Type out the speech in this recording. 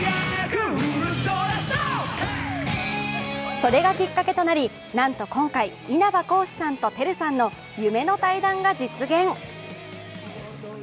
それがきっかけとなり、なんと今回稲葉浩志さんとＴＥＲＵさんの夢の対談が実現。